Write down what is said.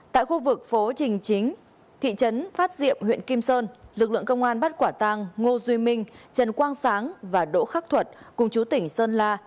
tại khu vực phố trình chính thị trấn phát diệm huyện kim sơn lực lượng công an bắt quả tang ngô duy minh trần quang sáng và đỗ khắc thuật cùng chú tỉnh sơn la